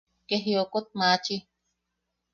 ¡Ke jiokot machi!